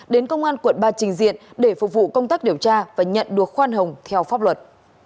đến công an quận ba trình diện để phục vụ công tác điều tra và nhận được khoan hồng theo pháp luật